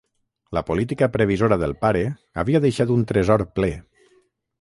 La política previsora del pare havia deixat un tresor ple.